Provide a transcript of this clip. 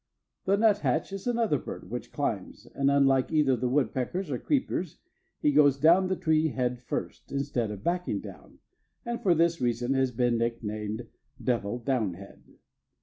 The nuthatch is another bird which climbs, and, unlike either the woodpeckers or creepers, he goes down the tree head first, instead of backing down, and for this reason has been nicknamed "Devil Downhead."